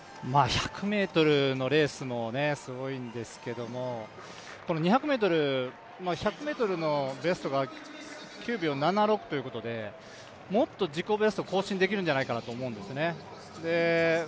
１００ｍのレースもすごいんですけれどもこの２００ｍ、１００ｍのベストが９秒７６ということでもっと自己ベスト更新できるんじゃないかと思うんですよね。